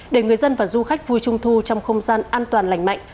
để người dân và du khách vui trung thu trong không gian an toàn lành mạnh